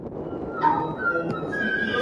Neither qualified for the Grand Prix.